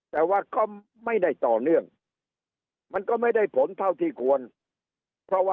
แต่ว่าก็ไม่ได้ต่อเนื่องมันก็ไม่ได้ผลเท่าที่ควรเพราะว่า